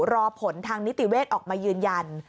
รอผลทางนิติเวศออกมายืนยัน